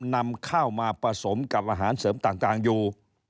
นำข้าวมาผสมกับอาหารเสริมต่างอยู่